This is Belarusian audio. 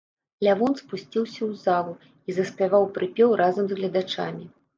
Лявон спусціўся ў залу і заспяваў прыпеў разам з гледачамі.